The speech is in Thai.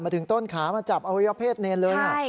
มาถึงต้นขามาจับอาวุธเพศเนรนเลย